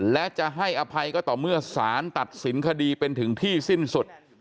และจะให้อภัยก็ต่อเมื่อสารตัดสินคดีเป็นถึงที่สิ้นสุด